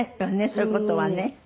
そういう事はね。